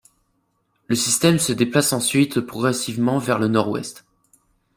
Le système se déplace ensuite progressivement vers le nord-ouest.